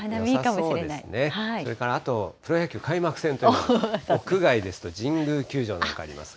それからあと、プロ野球開幕戦という、屋外ですと、神宮球場なんかあります。